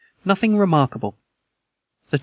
Nothing remarkable. the 24.